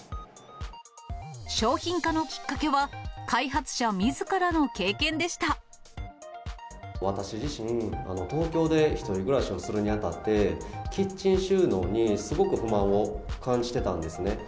商品化のきっかけは、私自身、東京で１人暮らしをするにあたって、キッチン収納にすごく不満を感じてたんですね。